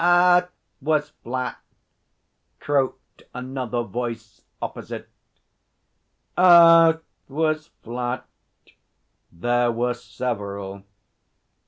'Earth was flat,' croaked another voice opposite. 'Earth was flat.' There were several.